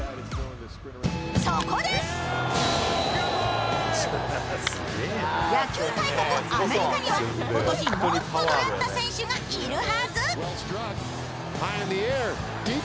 そこで野球大国アメリカには今年もっとドヤった選手がいるはず